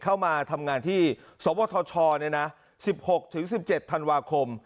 เข้ามาทำงานที่สวทช๑๖๑๗ธันวาคม